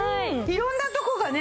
色んなとこがね。